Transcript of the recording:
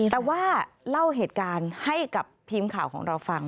แต่ว่าเล่าเหตุการณ์ให้กับทีมข่าวของเราฟัง